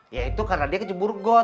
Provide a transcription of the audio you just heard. ya itu karena dia kecebur god